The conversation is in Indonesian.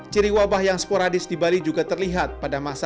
ciri wabah yang sporadis di bali juga terlihat pada masa